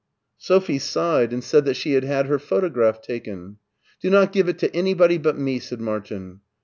Sophie sighed and said that she had had her photo graph taken. Do not give it to anybody but me," said Martin.